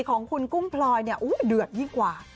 ของคุณกุ้งพลอยเนี่ยเดือดยิ่งกว่า